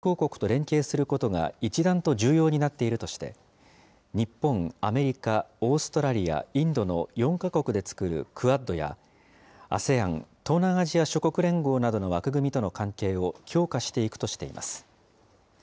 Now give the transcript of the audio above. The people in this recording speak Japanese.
そして、アメリカがインド太平洋地域で存在感を高め、同盟国や友好国と連携することが一段と重要になっているとして、日本、アメリカ、オーストラリア、インドの４か国でつくるクアッドや、ＡＳＥＡＮ・東南アジア諸国連合などの枠組みとの関係を強化していくとしています。